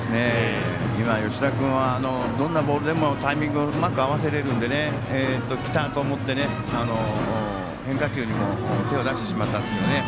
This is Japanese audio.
今、吉田君はどんなボールでもタイミングをうまく合わせられるのできたと思って変化球にも、手を出してしまったんですけどもね。